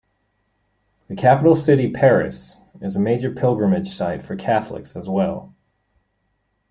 The capital city, Paris, is a major pilgrimage site for Catholics as well.